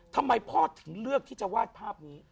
ทำไมพ่อถึงเลือกที่จะวาดภาพนี้